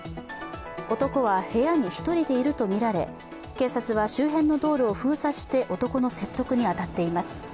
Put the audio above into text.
男は、部屋に１人でいるとみられ警察は周辺の道路を封鎖して男の説得に当たっています。